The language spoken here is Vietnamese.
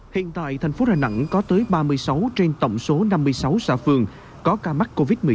hiện tại thành phố đà nẵng có tới ba mươi sáu trên tổng số năm mươi sáu xã phường có ca mắc covid một mươi chín